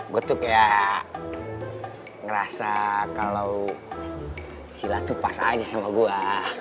gue tuh kayak ngerasa kalau sila tuh pas aja sama gue